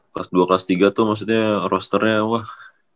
kelas dua kelas tiga tuh maksudnya rosternya wah